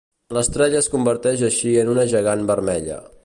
L'estrella es converteix així en una gegant vermella.